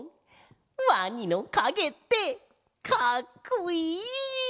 ワニのかげってかっこいい！